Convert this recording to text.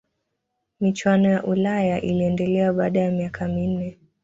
michuano ya ulaya iliendelea baada ya miaka minne